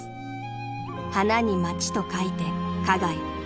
［「花」に「街」と書いて］